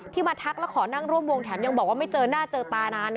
มาทักแล้วขอนั่งร่วมวงแถมยังบอกว่าไม่เจอหน้าเจอตานาน